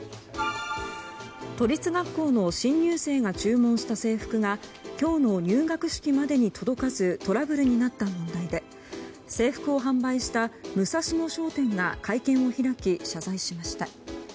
都立学校の新入生が注文した制服が今日の入学式までに届かずトラブルになった問題で制服を販売したムサシノ商店が会見を開き、謝罪しました。